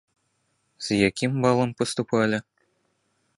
З якім балам паступалі?